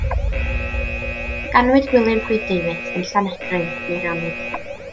Ganwyd Gwilym Prys Davies yn Llanegryn, Meirionnydd.